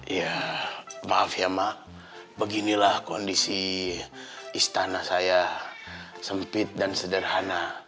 ya maaf ya mak beginilah kondisi istana saya sempit dan sederhana